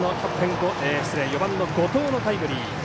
４番の後藤のタイムリー。